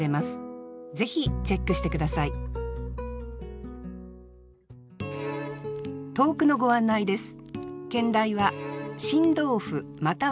ぜひチェックして下さい投句のご案内です